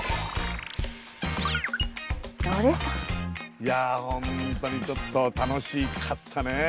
いや本当にちょっと楽しかったね。